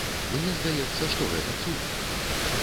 Мне здаецца, што гэта цуд.